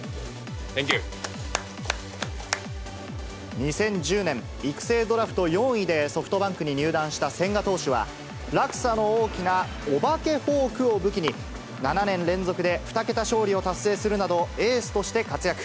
２０１０年、育成ドラフト４位でソフトバンクに入団した千賀投手は、落差の大きなお化けフォークを武器に、７年連続で２桁勝利を達成するなど、エースとして活躍。